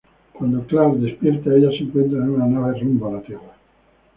Cuando Clarke despierta ella se encuentra en una nave rumbo a la Tierra.